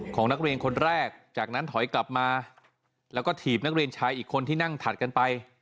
ของนักเรียนคนแรกจากนั้นถอยกลับมาแล้วก็ถีบนักเรียนชายอีกคนที่นั่งถัดกันไป